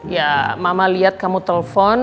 ya mama lihat kamu telpon